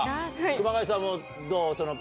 熊谷さんもどう？